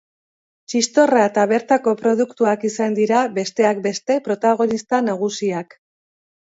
Txistorra eta bertako produktuak izan dira, besteak beste, protagonista nagusiak.